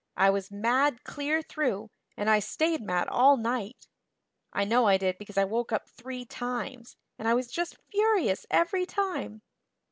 I was mad clear through, and I stayed mad all night. I know I did because I woke up three times and I was just furious every time.